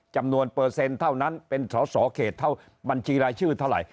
จำนวนเปอร์เซ็นต์เท่านั้นเป็นสอสอเขตเท่าบัญชีรายชื่อเท่าไหร่